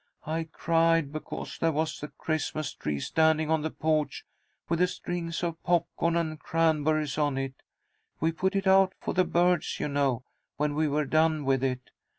I cried, because there was the Christmas tree standing on the porch, with the strings of popcorn and cranberries on it. We put it out for the birds, you know, when we were done with it.